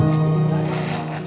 di tempat ini